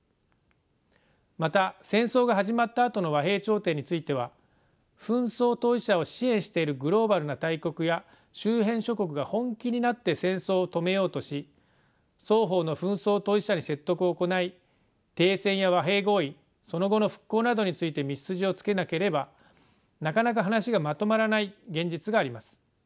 また戦争が始まったあとの和平調停については紛争当事者を支援しているグローバルな大国や周辺諸国が本気になって戦争を止めようとし双方の紛争当事者に説得を行い停戦や和平合意その後の復興などについて道筋をつけなければなかなか話がまとまらない現実があります。